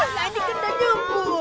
lagi kena nyebur